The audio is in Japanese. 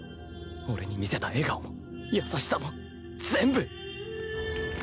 俺に見せた笑顔も優しさも全部。